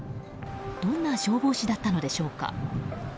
どんな消防士だったのでしょうか。